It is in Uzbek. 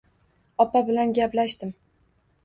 Opa bilan gaplashdim